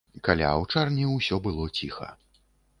Каля аўчарні ўсё было ціха.